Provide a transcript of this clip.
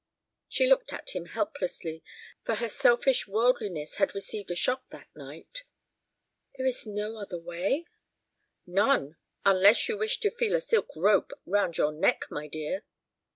She looked at him helplessly, for her selfish worldliness had received a shock that night. "There is no other way?" "None, unless you wish to feel a silk rope round your neck, my dear."